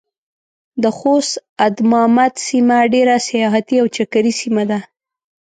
د خوست ادمامد سيمه ډېره سياحتي او چکري سيمه ده.